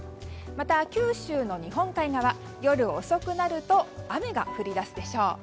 また、九州の日本海側夜遅くなると雨が降り出すでしょう。